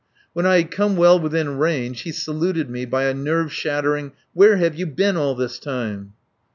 When I had come well within range he saluted me by a nerve shattering: "Where have you been all this time?"